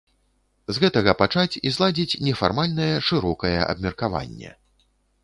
З гэтага пачаць і зладзіць нефармальнае, шырокае абмеркаванне.